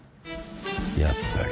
やっぱり。